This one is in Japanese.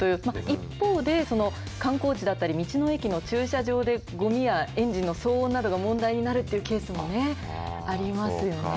一方で、観光地だったり、道の駅の駐車場で、ごみやエンジンの騒音などが問題になるってケースもね、あります